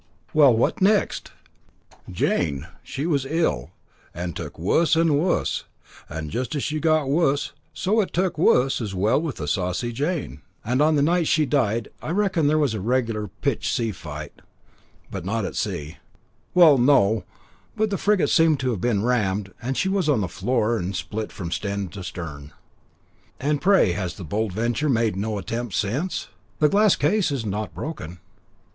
"Well, what next?" "Jane, she was ill, and took wus and wus, and just as she got wus so it took wus as well with the Saucy Jane. And on the night she died, I reckon that there was a reg'lar pitched sea fight." "But not at sea." "Well, no; but the frigate seemed to have been rammed, and she was on the floor and split from stem to stern." "And, pray, has the Bold Venture made no attempt since? The glass case is not broken."